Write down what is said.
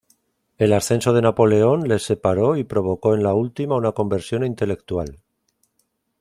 El ascenso de Napoleón les separó y provocó en la última una conversión intelectual.